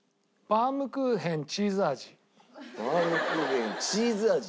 バウムクーヘンチーズ味？